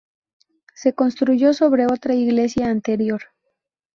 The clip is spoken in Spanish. Se construyó sobre otra iglesia anterior.